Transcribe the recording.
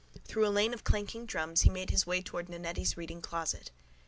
Through a lane of clanking drums he made his way towards Nannetti's reading closet.